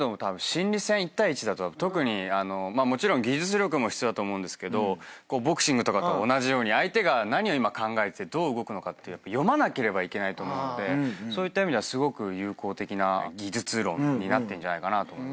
もちろん技術力も必要だと思うんですけどボクシングとかと同じように相手が何を今考えてどう動くのかって読まなければいけないと思うのでそういった意味ではすごく有効的な技術論になってんじゃないかなと。